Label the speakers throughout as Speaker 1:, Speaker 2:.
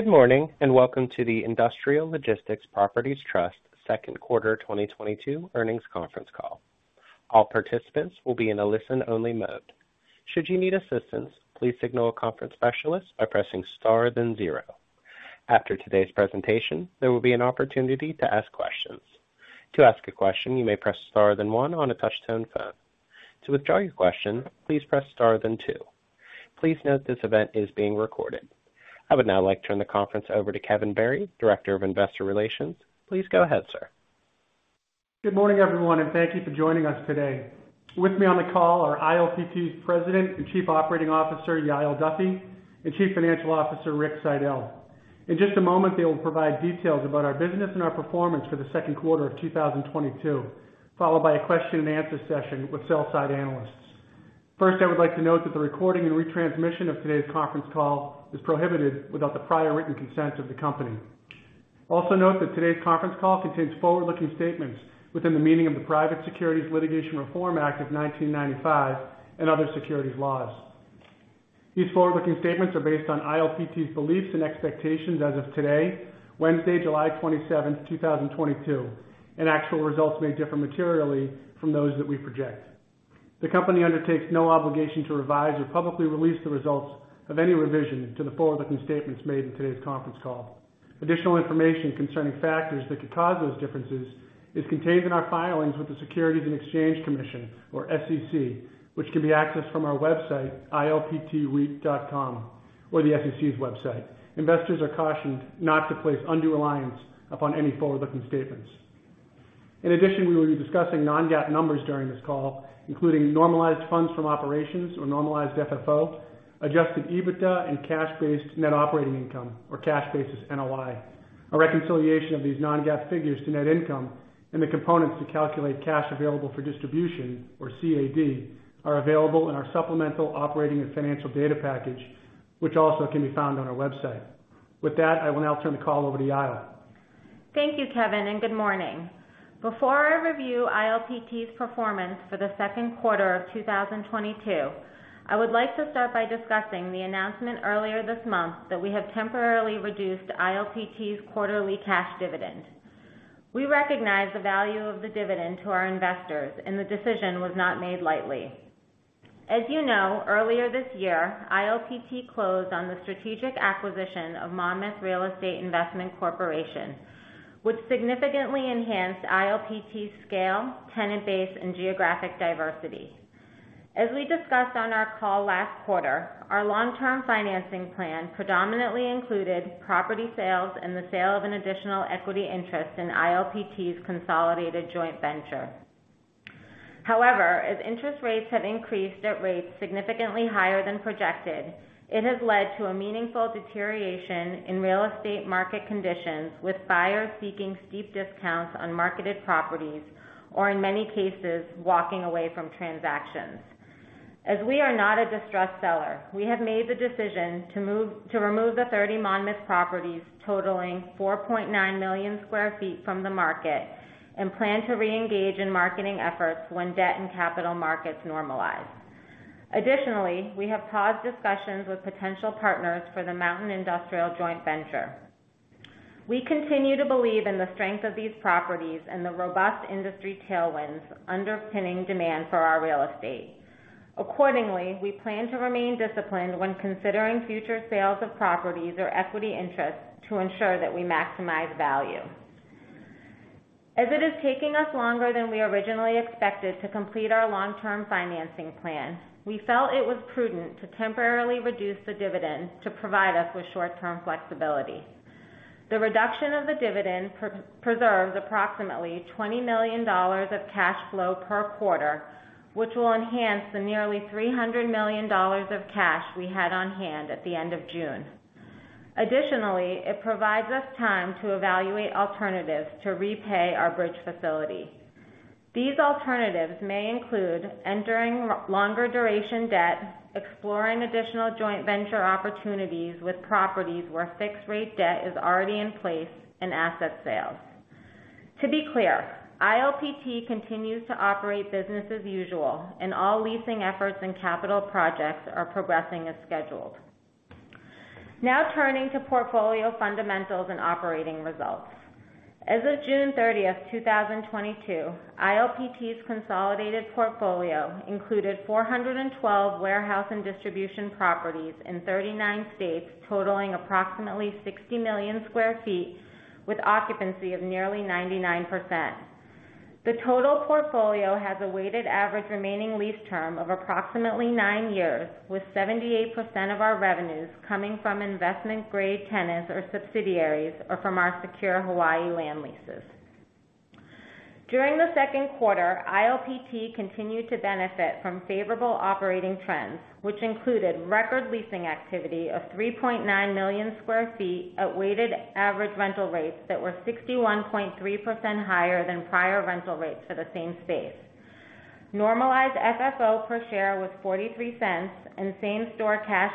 Speaker 1: Good morning, and welcome to the Industrial Logistics Properties Trust Q2 2022 earnings conference call. All participants will be in a listen only mode. Should you need assistance, please signal a conference specialist by pressing star then zero. After today's presentation, there will be an opportunity to ask questions. To ask a question, you may press star then one on a touchtone phone. To withdraw your question, please press star then 2. Please note this event is being recorded. I would now like to turn the conference over to Kevin Barry, Director of Investor Relations. Please go ahead, sir.
Speaker 2: Good morning, everyone, and thank you for joining us today. With me on the call are ILPT's President and Chief Operating Officer, Yael Duffy, and Chief Financial Officer, Rick Siedel. In just a moment, they will provide details about our business and our performance for the Q2 of 2022, followed by a Q&A session with sell-side analysts. First, I would like to note that the recording and retransmission of today's conference call is prohibited without the prior written consent of the company. Also note that today's conference call contains forward-looking statements within the meaning of the Private Securities Litigation Reform Act of 1995 and other securities laws. These forward-looking statements are based on ILPT's beliefs and expectations as of today, Wednesday, July 27, 2022, and actual results may differ materially from those that we project. The company undertakes no obligation to revise or publicly release the results of any revision to the forward-looking statements made in today's conference call. Additional information concerning factors that could cause those differences is contained in our filings with the Securities and Exchange Commission, or SEC, which can be accessed from our website, ilptreit.com, or the SEC's website. Investors are cautioned not to place undue reliance upon any forward-looking statements. In addition, we will be discussing non-GAAP numbers during this call, including normalized funds from operations or normalized FFO, Adjusted EBITDA and cash basis NOI. A reconciliation of these non-GAAP figures to net income and the components to calculate cash available for distribution, or CAD, are available in our supplemental operating and financial data package, which also can be found on our website. With that, I will now turn the call over to Yael.
Speaker 3: Thank you, Kevin, and good morning. Before I review ILPT's performance for the Q2 of 2022, I would like to start by discussing the announcement earlier this month that we have temporarily reduced ILPT's quarterly cash dividend. We recognize the value of the dividend to our investors, and the decision was not made lightly. As you know, earlier this year, ILPT closed on the strategic acquisition of Monmouth Real Estate Investment Corporation, which significantly enhanced ILPT's scale, tenant base, and geographic diversity. As we discussed on our call last quarter, our long-term financing plan predominantly included property sales and the sale of an additional equity interest in ILPT's consolidated joint venture. However, as interest rates have increased at rates significantly higher than projected, it has led to a meaningful deterioration in real estate market conditions, with buyers seeking steep discounts on marketed properties, or in many cases, walking away from transactions. As we are not a distressed seller, we have made the decision to remove the 30 Monmouth properties totaling 4.9 million sq ft from the market and plan to reengage in marketing efforts when debt and capital markets normalize. Additionally, we have paused discussions with potential partners for the Mountain Industrial joint venture. We continue to believe in the strength of these properties and the robust industry tailwinds underpinning demand for our real estate. Accordingly, we plan to remain disciplined when considering future sales of properties or equity interests to ensure that we maximize value. As it is taking us longer than we originally expected to complete our long-term financing plan, we felt it was prudent to temporarily reduce the dividend to provide us with short-term flexibility. The reduction of the dividend preserves approximately $20 million of cash flow per quarter, which will enhance the nearly $300 million of cash we had on hand at the end of June. Additionally, it provides us time to evaluate alternatives to repay our bridge facility. These alternatives may include entering longer duration debt, exploring additional joint venture opportunities with properties where fixed rate debt is already in place, and asset sales. To be clear, ILPT continues to operate business as usual, and all leasing efforts and capital projects are progressing as scheduled. Now turning to portfolio fundamentals and operating results. As of June 30, 2022, ILPT's consolidated portfolio included 412 warehouse and distribution properties in 39 states, totaling approximately 60 million sq ft with occupancy of nearly 99%. The total portfolio has a weighted average remaining lease term of approximately 9 years, with 78% of our revenues coming from investment grade tenants or subsidiaries or from our secure Hawaii land leases. During the Q2, ILPT continued to benefit from favorable operating trends, which included record leasing activity of 3.9 million sq ft at weighted average rental rates that were 61.3% higher than prior rental rates for the same space. Normalized FFO per share was $0.43 and same-store cash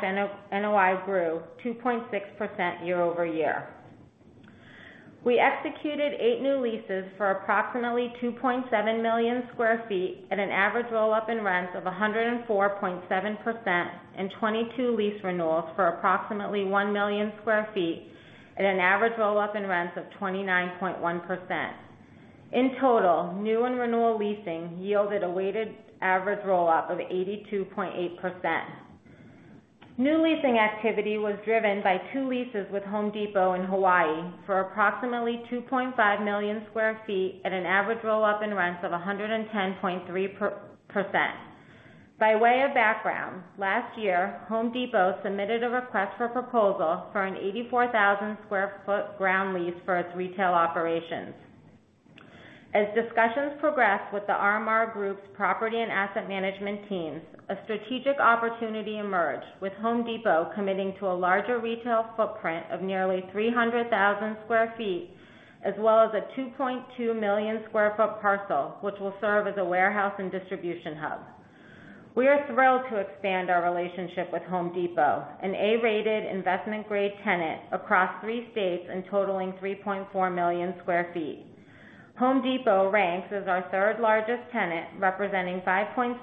Speaker 3: NOI grew 2.6% year-over-year. We executed 8 new leases for approximately 2.7 million sq ft at an average roll-up in rents of 104.7% and 22 lease renewals for approximately 1 million sq ft at an average roll-up in rents of 29.1%. In total, new and renewal leasing yielded a weighted average roll-up of 82.8%. New leasing activity was driven by 2 leases with Home Depot in Hawaii for approximately 2.5 million sq ft at an average roll-up in rents of 110.3%. By way of background, last year, Home Depot submitted a request for proposal for an 84,000 sq ft ground lease for its retail operations. As discussions progressed with The RMR Group's property and asset management teams, a strategic opportunity emerged, with Home Depot committing to a larger retail footprint of nearly 300,000 sq ft, as well as a 2.2 million sq ft parcel, which will serve as a warehouse and distribution hub. We are thrilled to expand our relationship with Home Depot, an A-rated investment-grade tenant across 3 states and totaling 3.4 million sq ft. Home Depot ranks as our third-largest tenant, representing 5.7%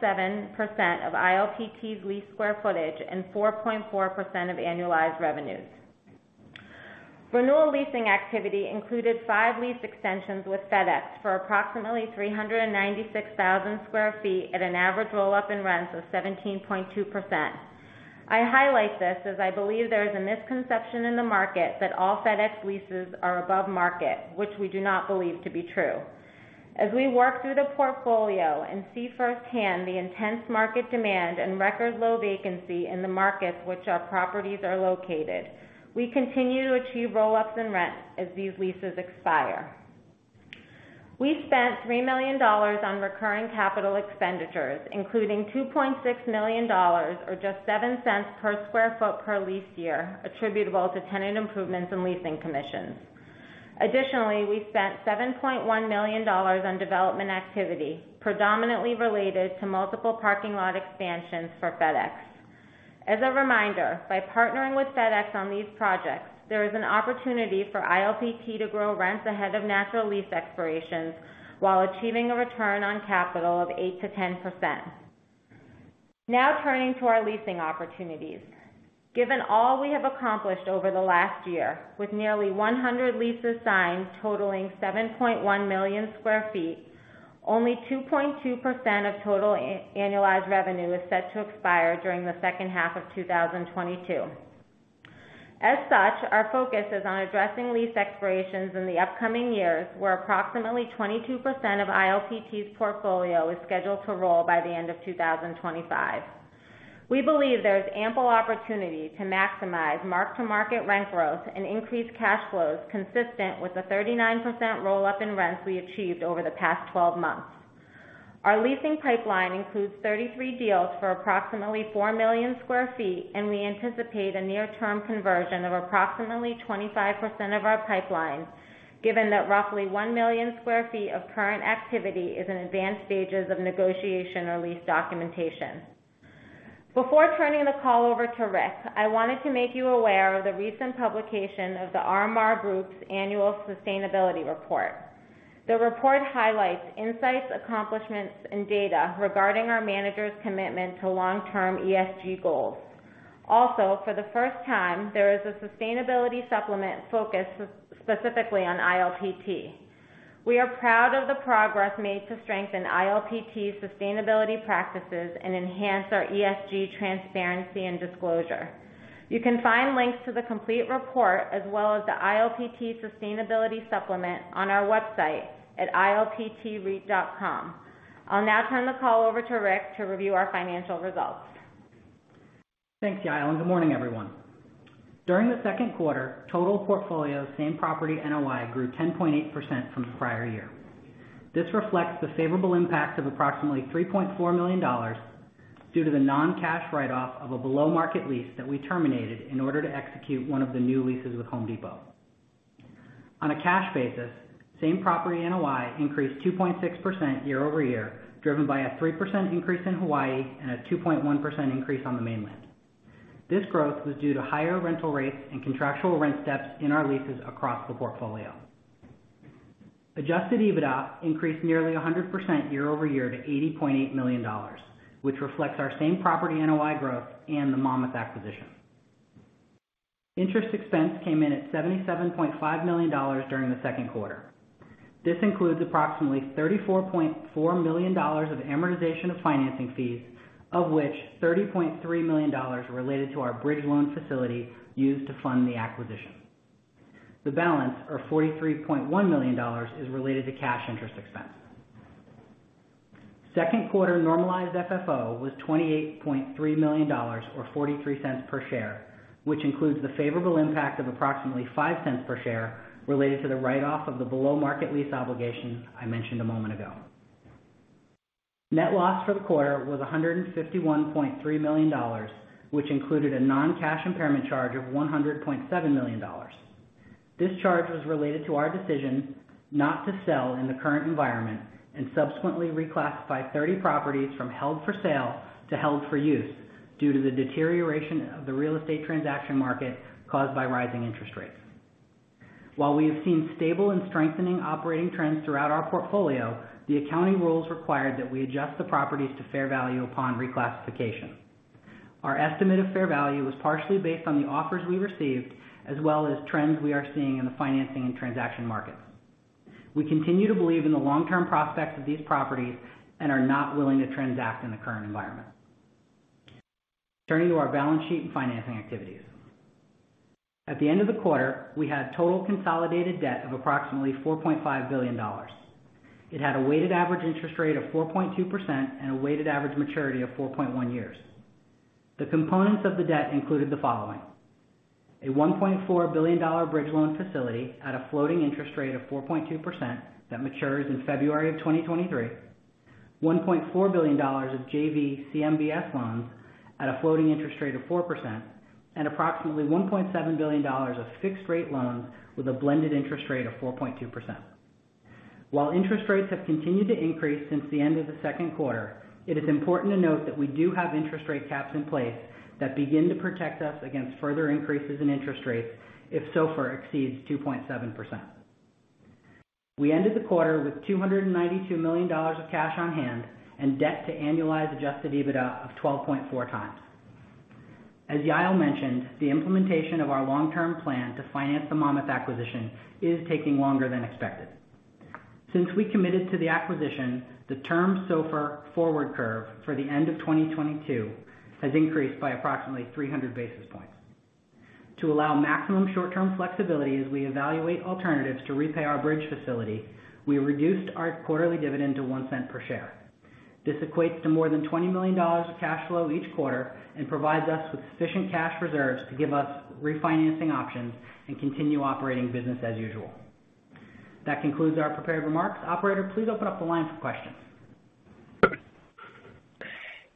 Speaker 3: of ILPT's leased square footage and 4.4% of annualized revenues. Renewal leasing activity included 5 lease extensions with FedEx for approximately 396,000 sq ft at an average roll-up in rents of 17.2%. I highlight this as I believe there is a misconception in the market that all FedEx leases are above market, which we do not believe to be true. As we work through the portfolio and see firsthand the intense market demand and record low vacancy in the markets which our properties are located, we continue to achieve roll-ups in rents as these leases expire. We spent $3 million on recurring capital expenditures, including $2.6 million, or just $0.07 per sq ft per lease year, attributable to tenant improvements and leasing commissions. Additionally, we spent $7.1 million on development activity, predominantly related to multiple parking lot expansions for FedEx. As a reminder, by partnering with FedEx on these projects, there is an opportunity for ILPT to grow rents ahead of natural lease expirations while achieving a return on capital of 8%-10%. Now turning to our leasing opportunities. Given all we have accomplished over the last year, with nearly 100 leases signed totaling 7.1 million sq ft, only 2.2% of total annualized revenue is set to expire during the H2 of 2022. As such, our focus is on addressing lease expirations in the upcoming years, where approximately 22% of ILPT's portfolio is scheduled to roll by the end of 2025. We believe there is ample opportunity to maximize mark-to-market rent growth and increase cash flows consistent with the 39% roll-up in rents we achieved over the past 12 months. Our leasing pipeline includes 33 deals for approximately 4 million sq ft, and we anticipate a near-term conversion of approximately 25% of our pipeline, given that roughly 1 million sq ft of current activity is in advanced stages of negotiation or lease documentation. Before turning the call over to Rick, I wanted to make you aware of the recent publication of The RMR Group's annual sustainability report. The report highlights insights, accomplishments, and data regarding our managers' commitment to long-term ESG goals. Also, for the first time, there is a sustainability supplement focused specifically on ILPT. We are proud of the progress made to strengthen ILPT's sustainability practices and enhance our ESG transparency and disclosure. You can find links to the complete report, as well as the ILPT sustainability supplement, on our website at ilptreit.com. I'll now turn the call over to Rick to review our financial results.
Speaker 4: Thanks, Yael, and good morning, everyone. During the Q2, total portfolio same-property NOI grew 10.8% from the prior year. This reflects the favorable impact of approximately $3.4 million due to the non-cash write-off of a below-market lease that we terminated in order to execute one of the new leases with Home Depot. On a cash basis, same-property NOI increased 2.6% year-over-year, driven by a 3% increase in Hawaii and a 2.1% increase on the mainland. This growth was due to higher rental rates and contractual rent steps in our leases across the portfolio. Adjusted EBITDA increased nearly 100% year-over-year to $80.8 million, which reflects our same-property NOI growth and the Monmouth acquisition. Interest expense came in at $77.5 million during the Q2. This includes approximately $34.4 million of amortization of financing fees, of which $30.3 million related to our bridge loan facility used to fund the acquisition. The balance, or $43.1 million, is related to cash interest expense. Q2 Normalized FFO was $28.3 million or $0.43 per share, which includes the favorable impact of approximately $0.05 per share related to the write-off of the below-market lease obligation I mentioned a moment ago. Net loss for the quarter was $151.3 million, which included a non-cash impairment charge of $100.7 million. This charge was related to our decision not to sell in the current environment and subsequently reclassify 30 properties from held for sale to held for use due to the deterioration of the real estate transaction market caused by rising interest rates. While we have seen stable and strengthening operating trends throughout our portfolio, the accounting rules required that we adjust the properties to fair value upon reclassification. Our estimate of fair value was partially based on the offers we received, as well as trends we are seeing in the financing and transaction markets. We continue to believe in the long-term prospects of these properties and are not willing to transact in the current environment. Turning to our balance sheet and financing activities. At the end of the quarter, we had total consolidated debt of approximately $4.5 billion. It had a weighted average interest rate of 4.2% and a weighted average maturity of 4.1 years. The components of the debt included the following. A $1.4 billion bridge loan facility at a floating interest rate of 4.2% that matures in February 2023, $1.4 billion of JV CMBS loans at a floating interest rate of 4%, and approximately $1.7 billion of fixed rate loans with a blended interest rate of 4.2%. While interest rates have continued to increase since the end of the Q2, it is important to note that we do have interest rate caps in place that begin to protect us against further increases in interest rates if SOFR exceeds 2.7%. We ended the quarter with $292 million of cash on hand and debt to annualized Adjusted EBITDA of 12.4 times. Yael mentioned, the implementation of our long-term plan to finance the Monmouth acquisition is taking longer than expected. Since we committed to the acquisition, the term SOFR forward curve for the end of 2022 has increased by approximately 300 basis points. To allow maximum short-term flexibility as we evaluate alternatives to repay our bridge facility, we reduced our quarterly dividend to 1 cent per share. This equates to more than $20 million of cash flow each quarter and provides us with sufficient cash reserves to give us refinancing options and continue operating business as usual. That concludes our prepared remarks. Operator, please open up the line for questions.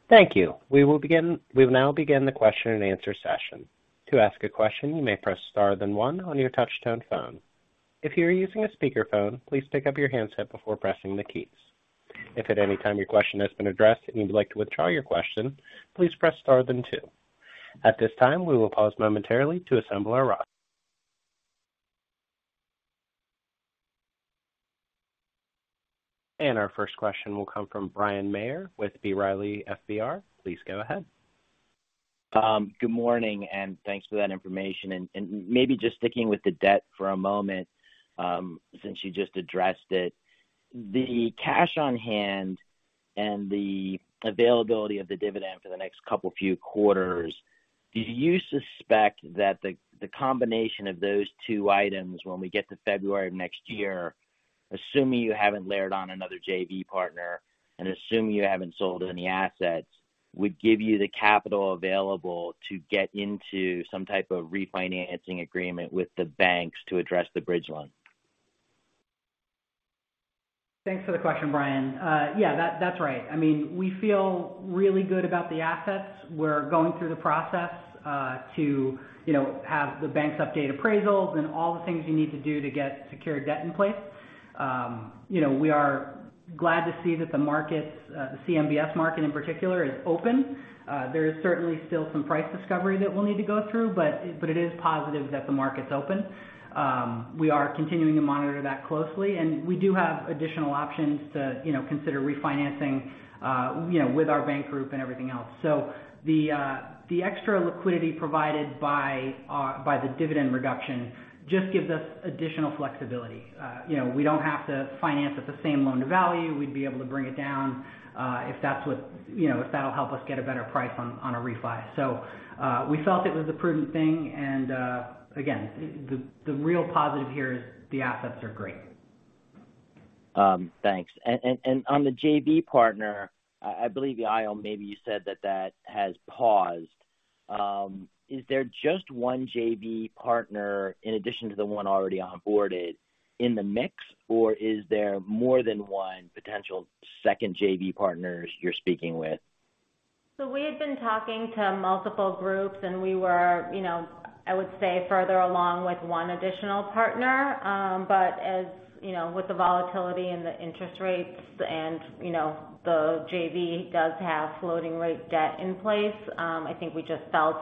Speaker 1: Thank you. We'll now begin the Q&A session. To ask a question, you may press star then one on your touch-tone phone. If you're using a speakerphone, please pick up your handset before pressing the keys. If at any time your question has been addressed and you'd like to withdraw your question, please press star then 2. At this time, we will pause momentarily to assemble our queue. Our first question will come from Bryan Maher with B. Riley Securities. Please go ahead.
Speaker 5: Good morning, and thanks for that information. Maybe just sticking with the debt for a moment, since you just addressed it. The cash on hand and the availability of the dividend for the next couple or few quarters, do you suspect that the combination of those 2 items when we get to February of next year, assuming you haven't layered on another JV partner and assuming you haven't sold any assets, would give you the capital available to get into some type of refinancing agreement with the banks to address the bridge loan?
Speaker 4: Thanks for the question, Bryan. Yeah, that's right. I mean, we feel really good about the assets. We're going through the process to you know have the banks update appraisals and all the things you need to do to get secured debt in place. You know, we are glad to see that the markets, the CMBS market in particular, is open. There is certainly still some price discovery that we'll need to go through, but it is positive that the market's open. We are continuing to monitor that closely, and we do have additional options to you know consider refinancing you know with our bank group and everything else. The extra liquidity provided by the dividend reduction just gives us additional flexibility. You know, we don't have to finance at the same loan-to-value. We'd be able to bring it down, if that's what, you know, if that'll help us get a better price on a refi. We felt it was a prudent thing, and again, the real positive here is the assets are great.
Speaker 5: Thanks. On the JV partner, I believe, Yael, maybe you said that has paused. Is there just one JV partner in addition to the one already onboarded in the mix, or is there more than one potential second JV partners you're speaking with?
Speaker 3: We had been talking to multiple groups, and we were, you know, I would say, further along with one additional partner. As you know, with the volatility and the interest rates and, you know, the JV does have floating rate debt in place, I think we just felt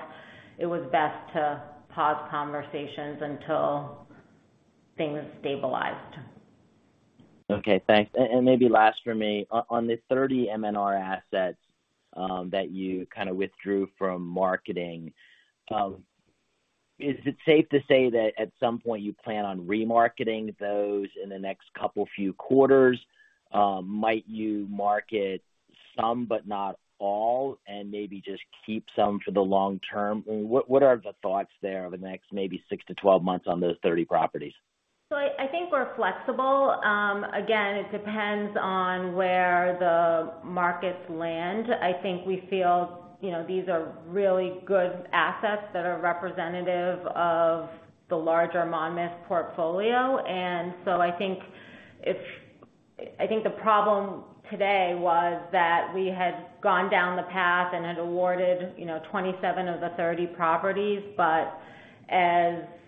Speaker 3: it was best to pause conversations until things stabilized.
Speaker 5: Okay, thanks. Maybe last for me. On the 30 MNR assets that you kind of withdrew from marketing, is it safe to say that at some point you plan on remarketing those in the next couple few quarters? Might you market some but not all and maybe just keep some for the long term? I mean, what are the thoughts there over the next maybe 6-12 months on those 30 properties?
Speaker 3: I think we're flexible. Again, it depends on where the markets land. I think we feel, you know, these are really good assets that are representative of the larger Monmouth portfolio. I think the problem today was that we had gone down the path and had awarded, you know, 27 of the 30 properties,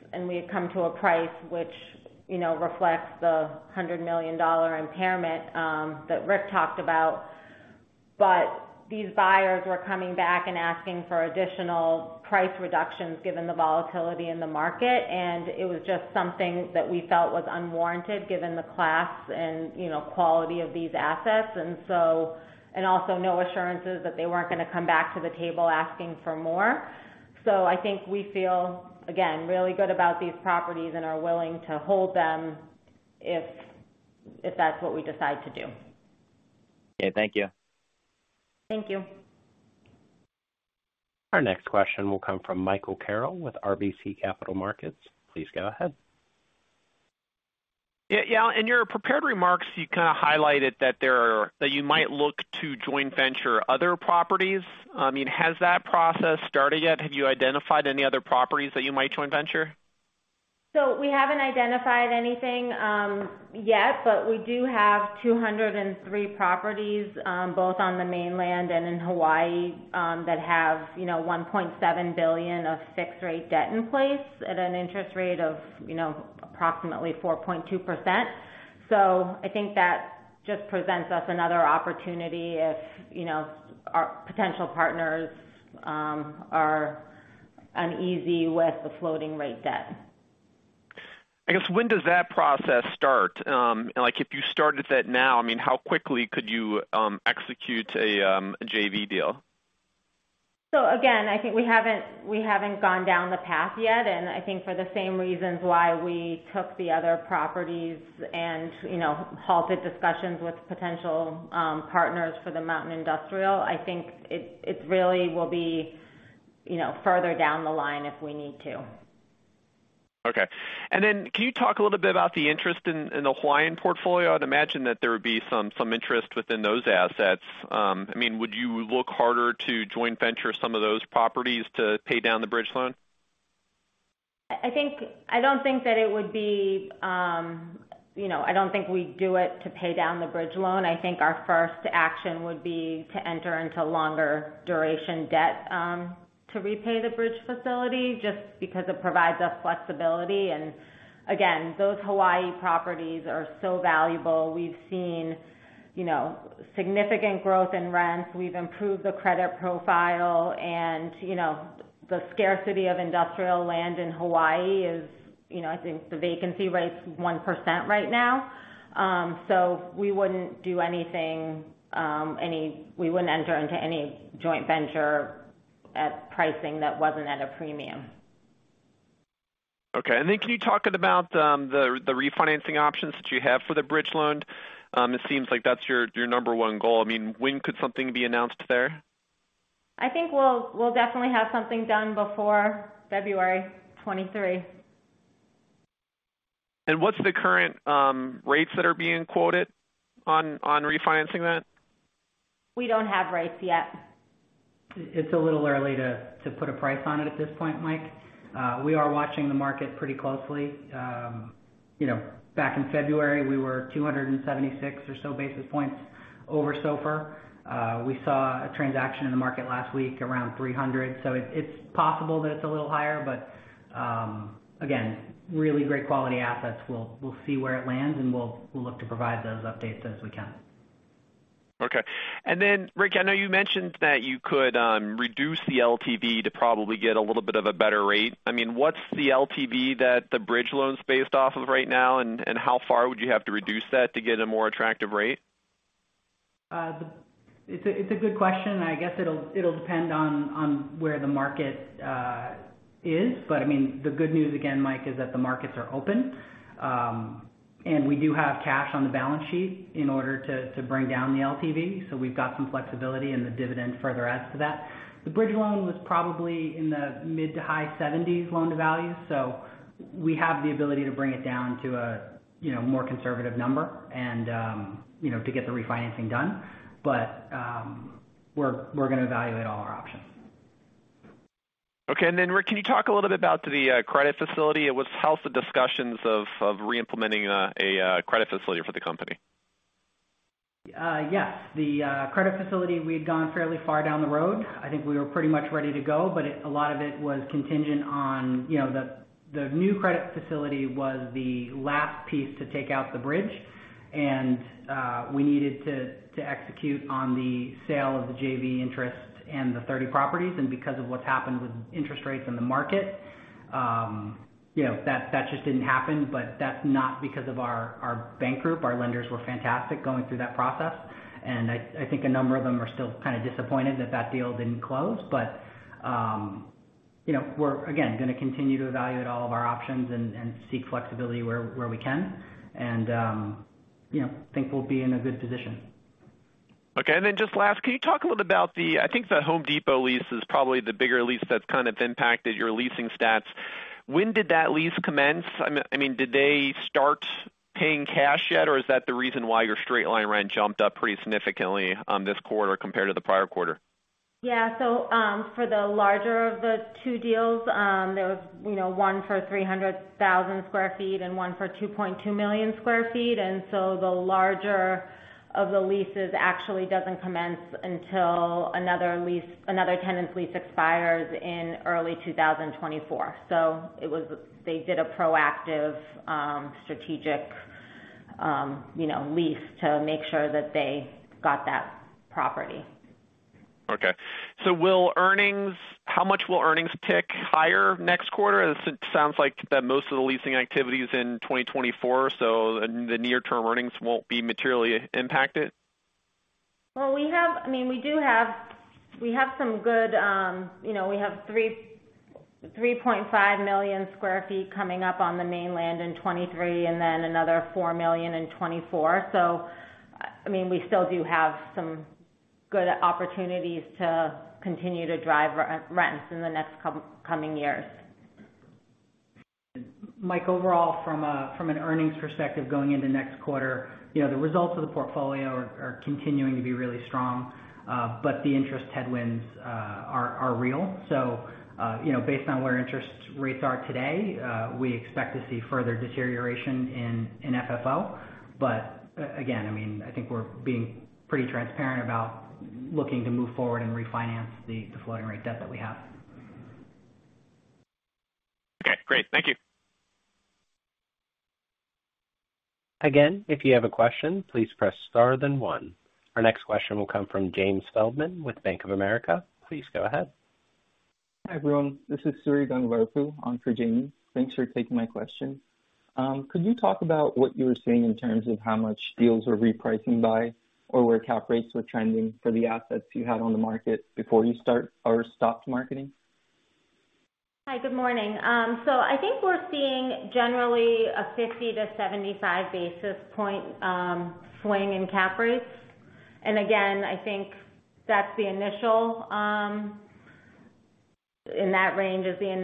Speaker 3: and we had come to a price which, you know, reflects the $100 million impairment that Rick talked about. But these buyers were coming back and asking for additional price reductions given the volatility in the market, and it was just something that we felt was unwarranted given the class and, you know, quality of these assets. Also no assurances that they weren't gonna come back to the table asking for more. I think we feel, again, really good about these properties and are willing to hold them if that's what we decide to do.
Speaker 5: Okay, thank you.
Speaker 3: Thank you.
Speaker 1: Our next question will come from Michael Carroll with RBC Capital Markets. Please go ahead.
Speaker 6: Yeah, yeah. In your prepared remarks, you kind of highlighted that you might look to joint venture other properties. I mean, has that process started yet? Have you identified any other properties that you might joint venture?
Speaker 3: We haven't identified anything, yet, but we do have 203 properties, both on the mainland and in Hawaii, that have, you know, $1.7 billion of fixed rate debt in place at an interest rate of, you know, approximately 4.2%. I think that just presents us another opportunity if, you know, our potential partners, are uneasy with the floating rate debt.
Speaker 6: I guess when does that process start? Like if you started that now, I mean, how quickly could you execute a JV deal?
Speaker 3: Again, I think we haven't gone down the path yet. I think for the same reasons why we took the other properties and, you know, halted discussions with potential partners for the Mountain Industrial, I think it really will be, you know, further down the line if we need to.
Speaker 6: Okay. Can you talk a little bit about the interest in the Hawaiian portfolio? I'd imagine that there would be some interest within those assets. I mean, would you look harder to joint venture some of those properties to pay down the bridge loan?
Speaker 3: I think I don't think that it would be, you know, I don't think we'd do it to pay down the bridge loan. I think our first action would be to enter into longer duration debt, to repay the bridge facility just because it provides us flexibility. Again, those Hawaii properties are so valuable. We've seen, you know, significant growth in rents. We've improved the credit profile. You know, the scarcity of industrial land in Hawaii is, you know, I think the vacancy rate's 1% right now. So we wouldn't do anything, we wouldn't enter into any joint venture at pricing that wasn't at a premium.
Speaker 6: Okay. Can you talk about the refinancing options that you have for the bridge loan? It seems like that's your number one goal. I mean, when could something be announced there?
Speaker 3: I think we'll definitely have something done before February 2023.
Speaker 6: What's the current rates that are being quoted on refinancing that?
Speaker 3: We don't have rates yet.
Speaker 4: It's a little early to put a price on it at this point, Mike. We are watching the market pretty closely. You know, back in February, we were 276 or so basis points over SOFR. We saw a transaction in the market last week around 300. It's possible that it's a little higher. Again, really great quality assets. We'll see where it lands, and we'll look to provide those updates as we can.
Speaker 6: Rick, I know you mentioned that you could reduce the LTV to probably get a little bit of a better rate. I mean, what's the LTV that the bridge loan's based off of right now, and how far would you have to reduce that to get a more attractive rate?
Speaker 4: It's a good question. I guess it'll depend on where the market is. I mean, the good news again, Mike, is that the markets are open. We do have cash on the balance sheet in order to bring down the LTV. So we've got some flexibility and the dividend further adds to that. The bridge loan was probably in the mid- to high 70s loan-to-value. We have the ability to bring it down to a more conservative number, you know, to get the refinancing done. We're gonna evaluate all our options.
Speaker 6: Okay. Rick, can you talk a little bit about the credit facility? How's the discussions of re-implementing a credit facility for the company?
Speaker 4: Yes. The credit facility, we'd gone fairly far down the road. I think we were pretty much ready to go, but a lot of it was contingent on, you know, the new credit facility was the last piece to take out the bridge. We needed to execute on the sale of the JV interest and the 30 properties. Because of what's happened with interest rates in the market, you know, that just didn't happen. That's not because of our bank group. Our lenders were fantastic going through that process. I think a number of them are still kind of disappointed that that deal didn't close. You know, we're again gonna continue to evaluate all of our options and seek flexibility where we can and you know think we'll be in a good position.
Speaker 6: Okay. Just last, can you talk a little about, I think, the Home Depot lease is probably the bigger lease that's kind of impacted your leasing stats. When did that lease commence? I mean, did they start paying cash yet, or is that the reason why your straight-line rent jumped up pretty significantly, this quarter compared to the prior quarter?
Speaker 3: Yeah. For the larger of the 2 deals, there was, you know, one for 300,000 sq ft and one for 2.2 million sq ft. The larger of the leases actually doesn't commence until another tenant's lease expires in early 2024. They did a proactive, strategic, you know, lease to make sure that they got that property.
Speaker 6: How much will earnings tick higher next quarter? It sounds like that most of the leasing activity is in 2024, so the near term earnings won't be materially impacted.
Speaker 3: Well, I mean, we have some good, you know, 3.5 million sq ft coming up on the mainland in 2023 and then another 4 million in 2024. I mean, we still do have some good opportunities to continue to drive rents in the next coming years.
Speaker 4: Mike, overall, from an earnings perspective, going into next quarter, you know, the results of the portfolio are continuing to be really strong, but the interest headwinds are real. You know, based on where interest rates are today, we expect to see further deterioration in FFO. But again, I mean, I think we're being pretty transparent about looking to move forward and refinance the floating rate debt that we have.
Speaker 6: Okay, great. Thank you.
Speaker 1: Again, if you have a question, please press Star then one. Our next question will come from James Feldman with Bank of America. Please go ahead.
Speaker 7: Hi, everyone. This is Surinder Thind on for Jamie. Thanks for taking my question. Could you talk about what you're seeing in terms of how much deals are repricing by or where cap rates are trending for the assets you had on the market before you start or stopped marketing?
Speaker 3: Hi, good morning. I think we're seeing generally a 50-75 basis points swing in cap rates. Again, I think that's the initial in that range, and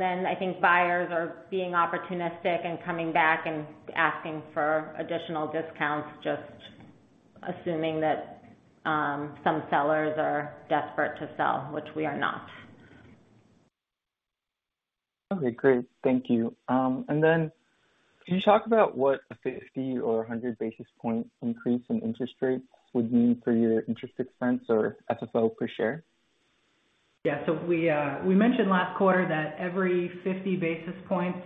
Speaker 3: then I think buyers are being opportunistic and coming back and asking for additional discounts, just assuming that some sellers are desperate to sell, which we are not.
Speaker 7: Okay, great. Thank you. Can you talk about what a 50 or 100 basis points increase in interest rates would mean for your interest expense or FFO per share?
Speaker 4: Yeah. We mentioned last quarter that every 50 basis points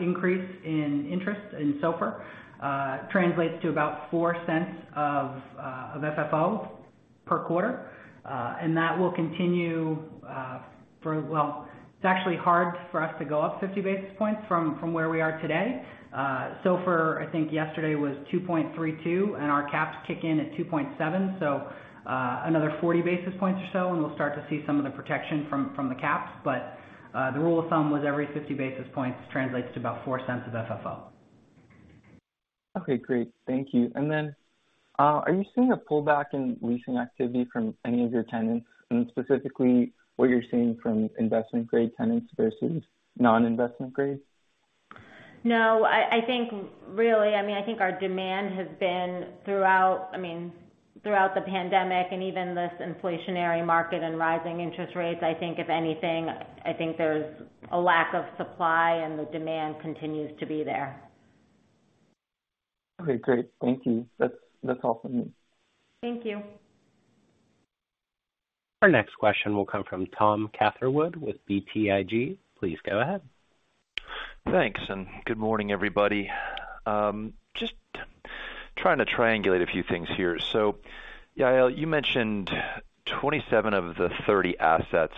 Speaker 4: increase in SOFR translates to about $0.04 of FFO per quarter. That will continue. Well, it's actually hard for us to go up 50 basis points from where we are today. SOFR, I think yesterday was 2.32, and our caps kick in at 2.7. Another 40 basis points or so, and we'll start to see some of the protection from the caps. The rule of thumb was every 50 basis points translates to about $0.04 of FFO.
Speaker 7: Okay, great. Thank you. Are you seeing a pullback in leasing activity from any of your tenants, and specifically what you're seeing from investment-grade tenants versus non-investment grade?
Speaker 3: No. I think really, I mean, I think our demand has been throughout, I mean, throughout the pandemic and even this inflationary market and rising interest rates, I think if anything, I think there's a lack of supply, and the demand continues to be there.
Speaker 7: Okay, great. Thank you. That's all for me.
Speaker 3: Thank you.
Speaker 1: Our next question will come from Tom Catherwood with BTIG. Please go ahead.
Speaker 8: Thanks, and good morning, everybody. Just trying to triangulate a few things here. Yael, you mentioned 27 of the 30 assets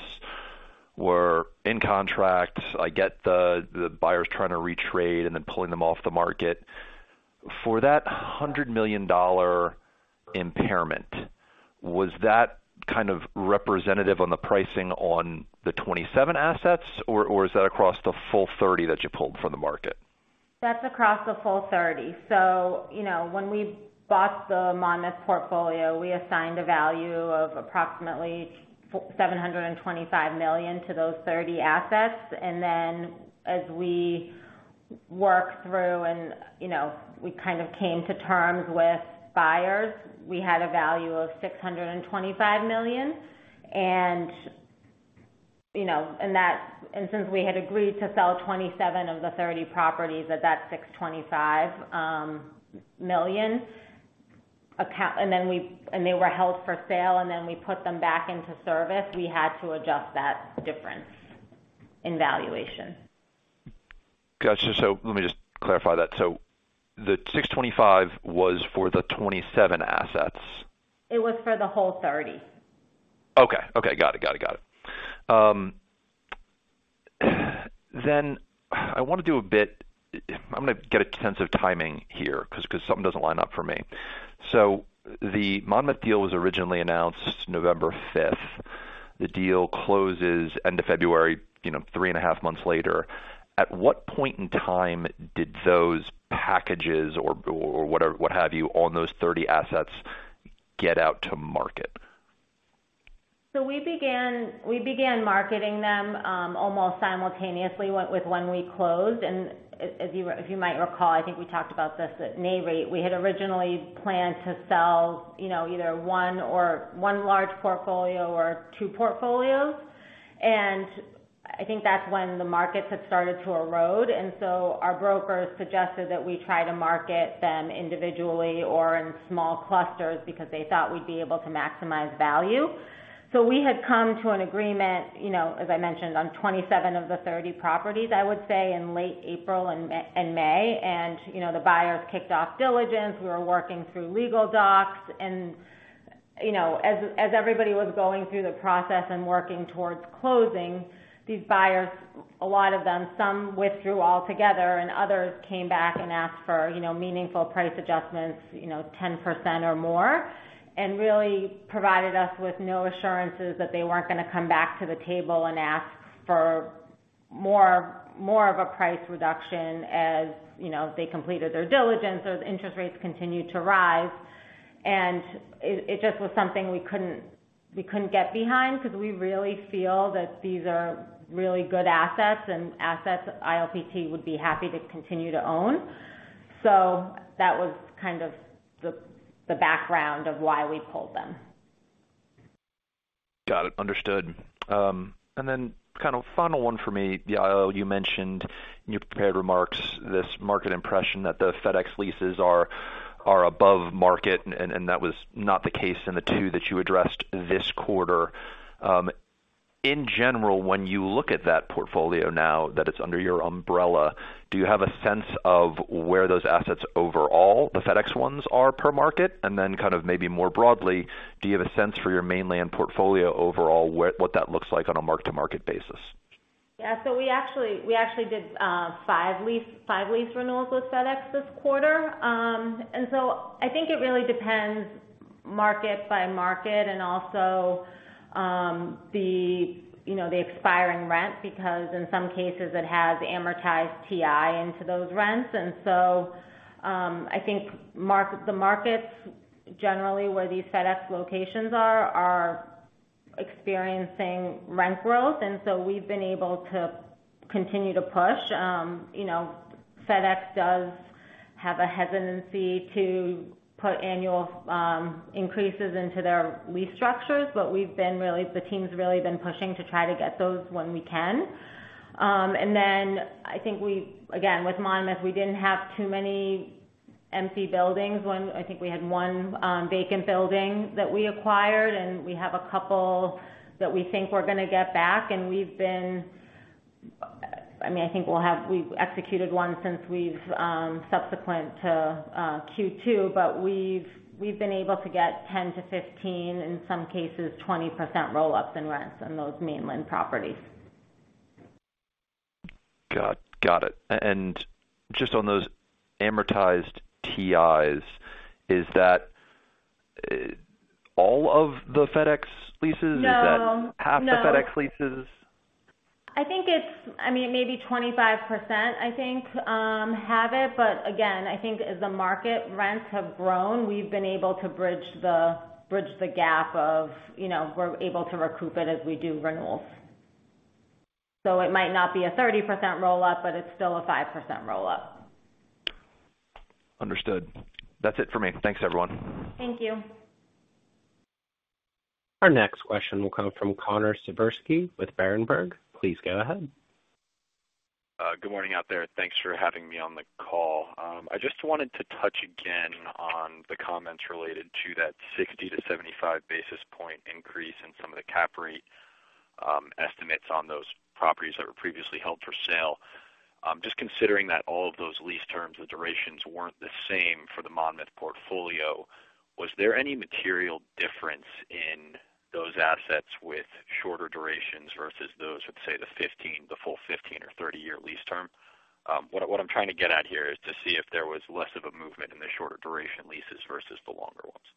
Speaker 8: were in contract. I get the buyers trying to retrade and then pulling them off the market. For that $100 million impairment, was that kind of representative on the pricing on the 27 assets, or is that across the full 30 that you pulled from the market?
Speaker 3: That's across the full 30. You know, when we bought the Monmouth portfolio, we assigned a value of approximately $725 million to those 30 assets. As we worked through and, you know, we kind of came to terms with buyers, we had a value of $625 million. You know, since we had agreed to sell 27 of the 30 properties at that $625 million, they were held for sale, and then we put them back into service, we had to adjust that difference in valuation.
Speaker 8: Got you. Let me just clarify that. The $625 was for the 27 assets.
Speaker 3: It was for the whole 30.
Speaker 8: Okay. Got it. I wanna do a bit. I'm gonna get a sense of timing here 'cause something doesn't line up for me. The Monmouth deal was originally announced November fifth. The deal closes end of February, you know, 3 and a half months later. At what point in time did those packages or what have you on those 30 assets get out to market?
Speaker 3: We began marketing them almost simultaneously with when we closed. As you might recall, I think we talked about this at Nareit. We had originally planned to sell, you know, either one large portfolio or 2 portfolios. I think that's when the markets had started to erode. Our brokers suggested that we try to market them individually or in small clusters because they thought we'd be able to maximize value. We had come to an agreement, you know, as I mentioned, on 27 of the 30 properties, I would say in late April and May. You know, the buyers kicked off diligence. We were working through legal docs. You know, as everybody was going through the process and working towards closing, these buyers, a lot of them, some withdrew altogether and others came back and asked for, you know, meaningful price adjustments, you know, 10% or more, and really provided us with no assurances that they weren't gonna come back to the table and ask for more of a price reduction. As, you know, they completed their diligence, those interest rates continued to rise. It just was something we couldn't get behind 'cause we really feel that these are really good assets and assets ILPT would be happy to continue to own. That was kind of the background of why we pulled them.
Speaker 8: Got it. Understood. Kind of final one for me. Yael, you mentioned in your prepared remarks this market impression that the FedEx leases are above market, and that was not the case in the 2 that you addressed this quarter. In general, when you look at that portfolio now that it's under your umbrella, do you have a sense of where those assets overall, the FedEx ones are per market? Kind of maybe more broadly, do you have a sense for your mainland portfolio overall, what that looks like on a mark-to-market basis?
Speaker 3: Yeah. We actually did 5 lease renewals with FedEx this quarter. I think it really depends market by market and also, you know, the expiring rent because in some cases it has amortized TI into those rents. I think the markets generally where these FedEx locations are are experiencing rent growth, and so we've been able to continue to push. You know, FedEx does have a hesitancy to put annual increases into their lease structures, but the team's really been pushing to try to get those when we can. I think we again with Monmouth, we didn't have too many empty buildings. I think we had 1 vacant building that we acquired, and we have a couple that we think we're gonna get back. We've executed one subsequent to Q2, but we've been able to get 10%-15%, in some cases, 20% roll-ups in rents on those mainland properties.
Speaker 8: Got it. Just on those amortized TIs, is that all of the FedEx leases?
Speaker 3: No.
Speaker 8: Is that half the FedEx leases?
Speaker 3: I think it's, I mean, maybe 25%, I think, have it. But again, I think as the market rents have grown, we've been able to bridge the gap of, you know, we're able to recoup it as we do renewals. It might not be a 30% roll-up, but it's still a 5% roll-up.
Speaker 8: Understood. That's it for me. Thanks, everyone.
Speaker 3: Thank you.
Speaker 1: Our next question will come from Connor Siversky with Berenberg. Please go ahead.
Speaker 9: Good morning out there. Thanks for having me on the call. I just wanted to touch again on the comments related to that 60-75 basis point increase in some of the cap rate estimates on those properties that were previously held for sale. Just considering that all of those lease terms or durations weren't the same for the Monmouth portfolio, was there any material difference in those assets with shorter durations versus those with, say, the 15, the full 15 or 30-year lease term? What I'm trying to get at here is to see if there was less of a movement in the shorter duration leases versus the longer ones.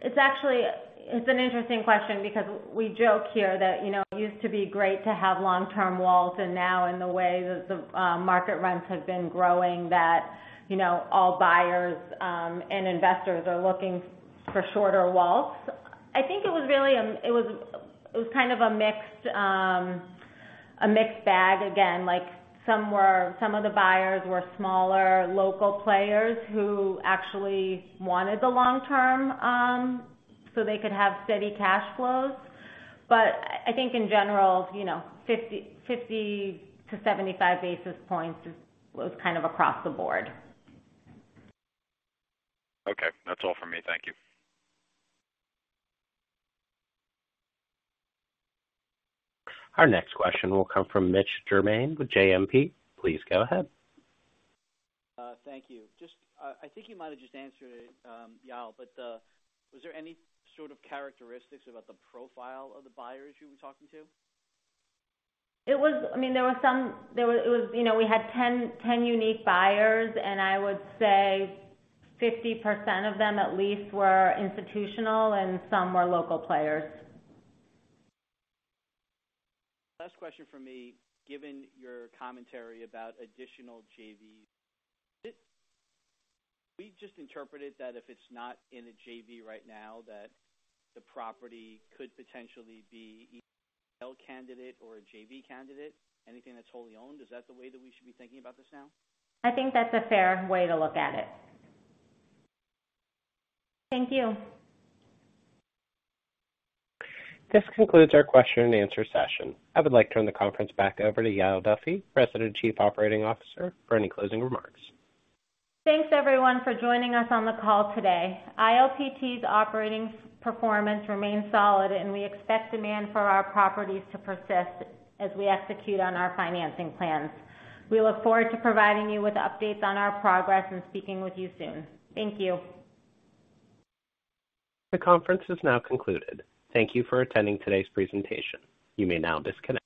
Speaker 3: It's actually an interesting question because we joke here that, you know, it used to be great to have long-term walls, and now in the way that the market rents have been growing, that, you know, all buyers and investors are looking for shorter walls. I think it was really, it was kind of a mixed bag. Again, like some of the buyers were smaller local players who actually wanted the long term, so they could have steady cash flows. I think in general, you know, 50-75 basis points was kind of across the board.
Speaker 9: Okay. That's all for me. Thank you.
Speaker 1: Our next question will come from Mitch Germain with JMP. Please go ahead.
Speaker 10: Thank you. Just, I think you might have just answered it, Yael, but, was there any sort of characteristics about the profile of the buyers you were talking to?
Speaker 3: I mean, it was, you know, we had 10 unique buyers, and I would say 50% of them at least were institutional and some were local players.
Speaker 10: Last question from me. Given your commentary about additional JVs, we just interpreted that if it's not in a JV right now, that the property could potentially be a retail candidate or a JV candidate, anything that's wholly owned. Is that the way that we should be thinking about this now?
Speaker 3: I think that's a fair way to look at it. Thank you.
Speaker 1: This concludes our Q&A session. I would like to turn the conference back over to Yael Duffy, President and Chief Operating Officer, for any closing remarks.
Speaker 3: Thanks, everyone, for joining us on the call today. ILPT's operating performance remains solid, and we expect demand for our properties to persist as we execute on our financing plans. We look forward to providing you with updates on our progress and speaking with you soon. Thank you.
Speaker 1: The conference is now concluded. Thank you for attending today's presentation. You may now disconnect.